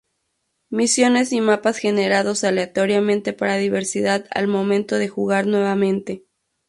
Misiones y mapas generados aleatoriamente para diversidad al momento de jugar nuevamente.